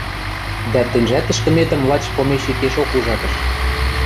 Дӓ тӹньжӓт ӹшкӹметӹм лач помещикешок ужатыш.